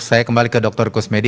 saya kembali ke dr kusmedi